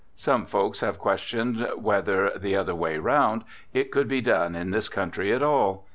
Some folks have questioned whether, the other way round, it could be done in this country at all.